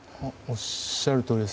おっしゃるとおりです。